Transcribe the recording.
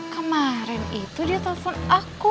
kemarin itu dia telpon aku